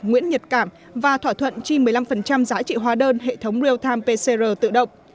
nguyễn nhật cảm và thỏa thuận chi một mươi năm giá trị hóa đơn hệ thống real time pcr tự động